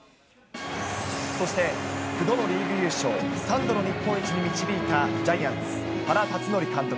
そして、９度のリーグ優勝、３度の日本一に導いたジャイアンツ、原辰徳監督。